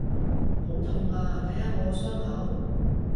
好痛啊！睇下我個傷口！